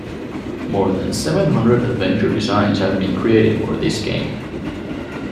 More than seven hundred adventure designs have been created for this game.